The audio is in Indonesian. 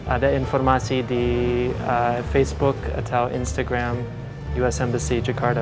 ada informasi di facebook atau instagram us embc jakarta